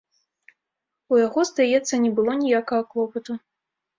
У яго, здаецца, не было ніякага клопату.